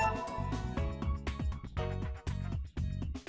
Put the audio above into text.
phòng khám đa khoa